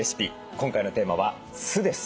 今回のテーマは酢です。